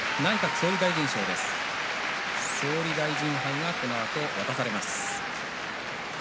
総理大臣杯がこのあと渡されます。